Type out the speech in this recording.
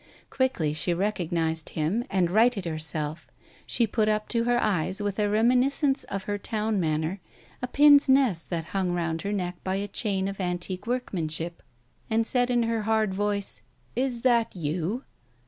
Quickly she recognized him, and righted herself. She put up to her eyes, with a reminiscence of her town manner, a pince nez that hung round her neck by a chain of antique workmanship, and said in a hard voice — "Is that you?"